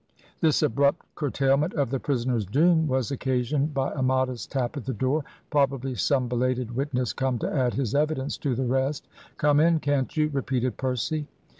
This abrupt curtailment of the prisoner's doom was occasioned by a modest tap at the door; probably some belated witness come to add his evidence to the rest, "Come in, can't you?" repeated Percy.